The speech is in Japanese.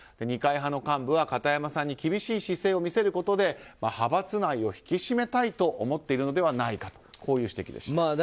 二階派の幹部は片山さんに厳しい姿勢を見せることで派閥内を引き締めたいと思っているのではないかという指摘でした。